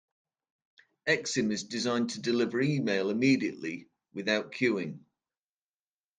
Exim is designed to deliver email immediately, without queueing.